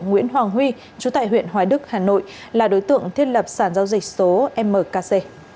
nguyễn hoàng huy chú tại huyện hoài đức hà nội là đối tượng thiết lập sản giao dịch số mkc